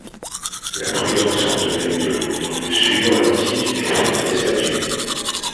La prudence ordonnait que l'on mit en lieu sûr l'antique et vénérée statue.